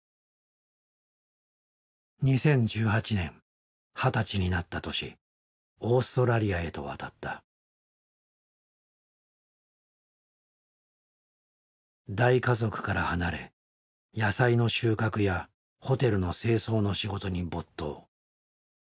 ２０１８年二十歳になった年大家族から離れ野菜の収穫やホテルの清掃の仕事に没頭。